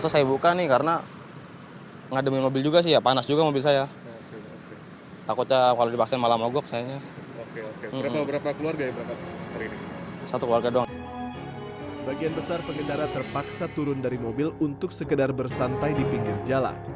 sebagian besar pengendara terpaksa turun dari mobil untuk sekedar bersantai di pinggir jalan